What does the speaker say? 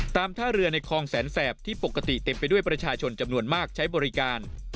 ท่าเรือในคลองแสนแสบที่ปกติเต็มไปด้วยประชาชนจำนวนมากใช้บริการ